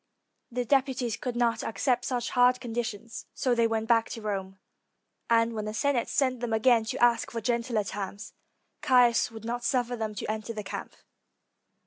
The deputies could not accept such hard conditions, so they went back to Rome. And when the Senate sent them again to ask for gentler terms, Caius would not suffer them to enter the camp.